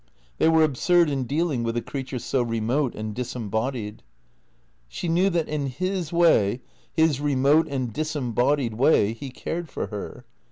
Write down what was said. They were absurd in dealing with a creature so remote and disembodied. She knew that in his way, his remote and disembodied way, he cared for her.